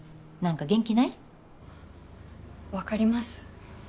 何か元気ない？わかります？